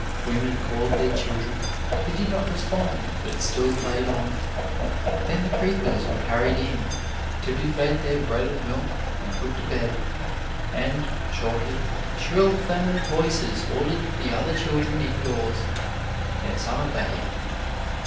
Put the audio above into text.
Women called their children, who did not respond, but still played on. Then the creepers were carried in, to be fed their bread and milk and put to bed; and, shortly, shrill feminine voices ordered the other children indoors, and some obeyed.